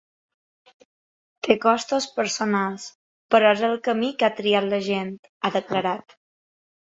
Té costos personals, però és el camí que ha triat la gent, ha declarat.